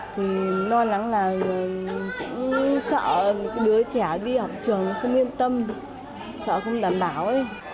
thì lo lắng là cũng sợ đứa trẻ đi học trường không yên tâm sợ không đảm bảo